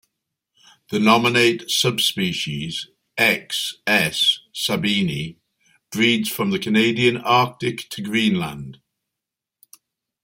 The nominate subspecies, "X. s. sabini", breeds from the Canadian Arctic to Greenland.